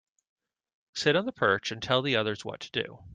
Sit on the perch and tell the others what to do.